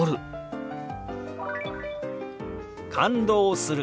「感動する」。